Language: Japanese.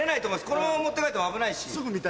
このまま持って帰っても危ないし。